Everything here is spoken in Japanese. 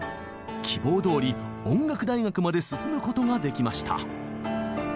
希望どおり音楽大学まで進むことができました。